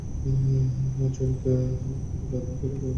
মাঠ জরিপে সম্পত্তি তাঁর নামে রেকর্ড হয়েছে বলে দাবি করেন তিনি।